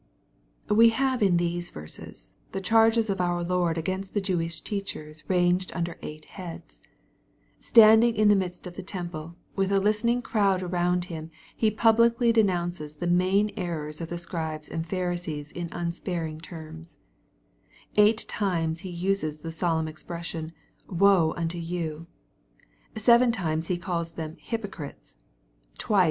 We have in these verses the cha rges of our Lord against the Jewish teachers ranged under ei^ht heads. (Standing in the midst of the temple, with a listening crowd around Him, He publicly denounces the main errors of the Scribes and Pharisees in unsparing terms^ Eight times He uses the solemn expression, " woe unto you." ^even tiij ^s H e calls them " hypocrites." Twice.